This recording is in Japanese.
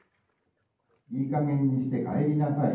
いいかげんにして帰りなさい。